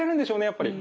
やっぱり。